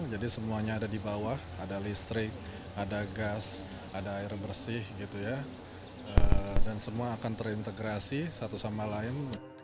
semuanya ada di bawah ada listrik ada gas ada air bersih dan semua akan terintegrasi satu sama lain